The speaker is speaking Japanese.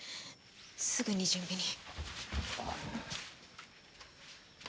すぐに準備に。